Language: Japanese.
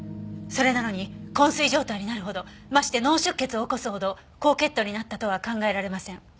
それなのに昏睡状態になるほどまして脳出血を起こすほど高血糖になったとは考えられません。